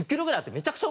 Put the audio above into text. めちゃくちゃ。